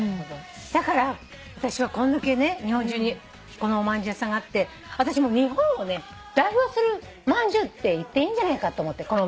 だから私はこんだけね日本中におまんじゅう屋さんがあって私日本をね代表するまんじゅうって言っていいんじゃないかと思って。